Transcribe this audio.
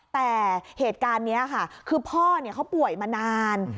แต่เหตุการณ์นี้ค่ะคือพ่อเขาป่วยมานาน